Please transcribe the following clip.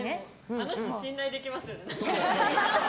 あの人、信頼できますよね。